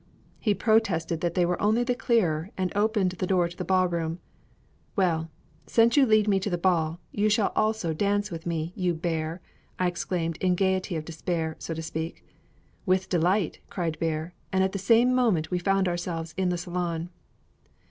He protested that they were only the clearer, and opened the door to the ball room. "Well, since you lead me to the ball, you shall also dance with me, you Bear!" I exclaimed in the gayety of despair, so to speak. "With delight!" cried Bear, and at the same moment we found ourselves in the salon.